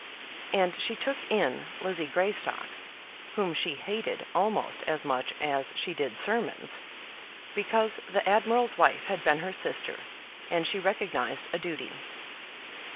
And she took in Lizzie Greystock, whom she hated almost as much as she did sermons, because the admiral's wife had been her sister, and she recognised a duty.